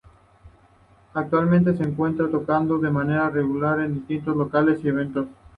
Actualmente se encuentran tocando de manera regular en distintos locales y eventos.